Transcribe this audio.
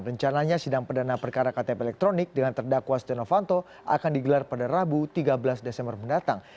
rencananya sidang perdana perkara ktp elektronik dengan terdakwa stenovanto akan digelar pada rabu tiga belas desember mendatang